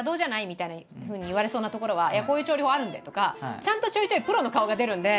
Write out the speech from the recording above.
みたいなふうに言われそうなところは「いやこういう調理法あるんで」とかちゃんとちょいちょいプロの顔が出るんで。